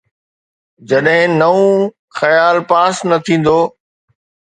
جڏهن نئون خيال پاس نه ٿيندو.